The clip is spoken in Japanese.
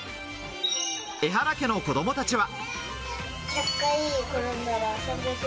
エハラ家の子供たちは。